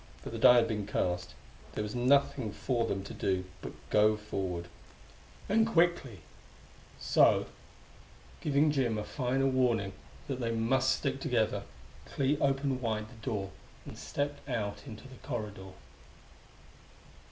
But the die had been cast; there was nothing for them to do but go forward and quickly; so, giving Jim a final warning that they must stick together, Clee opened wide the door and stepped out into the corridor.